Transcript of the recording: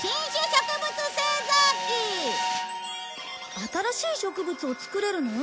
新しい植物を作れるの？